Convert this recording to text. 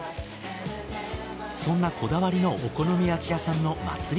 そんなこだわりのお好み焼き屋さんの祭り